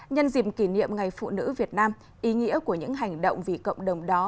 nhân dịp kỷ niệm ngày phụ nữ việt nam ý nghĩa của những hành động vì cộng đồng đó